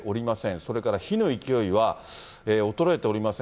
それから火の勢いは衰えておりません。